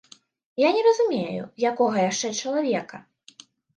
Я не разумею, якога яшчэ чалавека?